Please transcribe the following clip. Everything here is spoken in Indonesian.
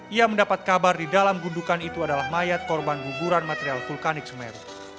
ia mendapat kabar di dalam gundukan itu adalah mayat korban guguran material vulkanik semeru